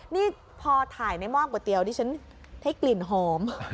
นี่พอถ่ายในหม้อกก๋วยเตี๋ยวดิฉันให้กลิ่นหอม